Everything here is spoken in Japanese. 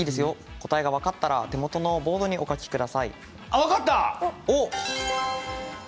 答えが分かったら手元のボードにお書きください。